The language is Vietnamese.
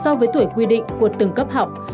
so với tuổi quy định của từng cấp học